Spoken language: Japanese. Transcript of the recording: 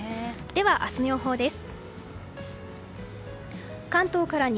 明日の予報です。